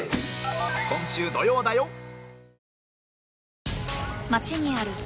今週土曜だよ